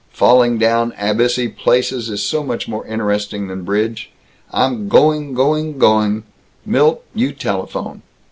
Falling down abyssy places is so much more interesting than bridge. I'm going going going!... Milt, you telephone."